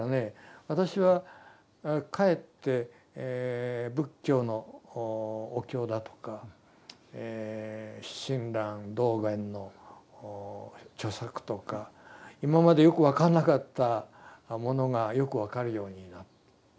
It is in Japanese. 私はかえって仏教のお経だとか親鸞道元の著作とか今までよく分かんなかったものがよく分かるようになった。